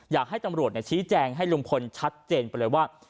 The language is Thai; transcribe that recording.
อยากให้ตำรวจชี้แจงให้ลุงพลชัดเจนไปเลยว่า